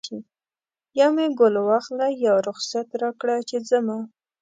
یا مې ګل واخله یا رخصت راکړه چې ځمه